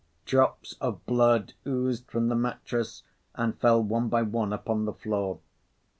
Drops of blood oozed from the mattress and fell one by one upon the floor.